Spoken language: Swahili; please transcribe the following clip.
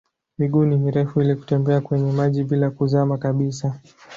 Miguu ni mirefu ili kutembea kwenye maji bila kuzama kabisa.